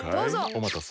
おまたせ。